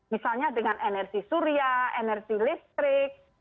misalnya dengan energi surya energi listrik